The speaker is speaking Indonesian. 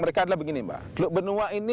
mereka adalah begini mbak benua ini